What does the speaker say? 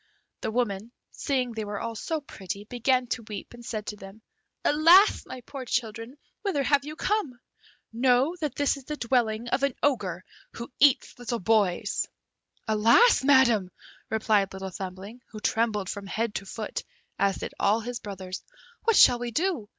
The woman, seeing they were all so pretty, began to weep, and said to them, "Alas! my poor children, whither have you come? Know that this is the dwelling of an Ogre who eats little boys!" "Alas, Madam!" replied Little Thumbling, who trembled from head to foot, as did all his brothers; "what shall we do?